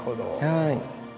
はい。